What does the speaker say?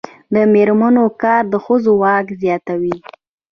د میرمنو کار د ښځو واک زیاتوي.